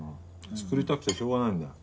作りたくてしょうがないんだよ。